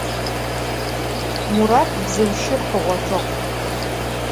Murat bzıu şır khığotığ.